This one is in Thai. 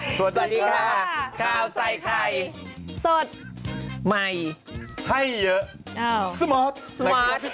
สวัสดีค่ะข้าวใส่ไข่สดใหม่ให้เยอะ